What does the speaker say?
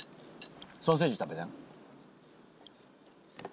ソーセージ食べな。